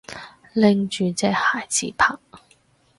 拎住隻鞋自拍